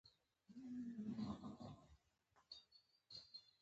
څوک چې نېټ کارولی شي